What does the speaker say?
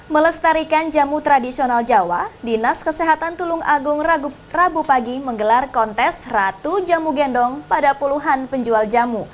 melestarikan jamu tradisional jawa dinas kesehatan tulung agung rabu pagi menggelar kontes ratu jamu gendong pada puluhan penjual jamu